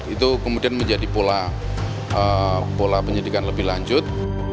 itu kemudian menjadi pola penyidikan lebih lanjut